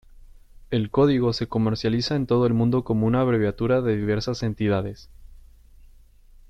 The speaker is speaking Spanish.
El código se comercializa en todo el mundo como una abreviatura de diversas entidades.